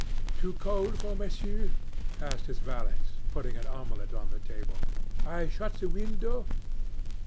"Too cold for Monsieur?" asked his valet, putting an omelette on the table. "I shut the window?"